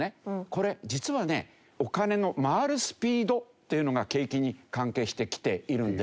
これ実はねお金の回るスピードというのが景気に関係してきているんですよ。